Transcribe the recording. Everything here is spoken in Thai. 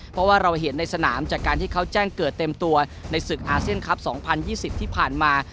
เพราะว่าเราเห็นในสนามจากการที่เขาแจ้งเกิดเต็มตัวในศึกอาเซียนคลับ๒๐๒๐ที่ผ่านมา